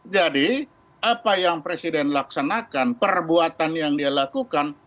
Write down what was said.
jadi apa yang presiden laksanakan perbuatan yang dia lakukan